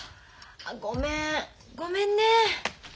あごめんごめんね。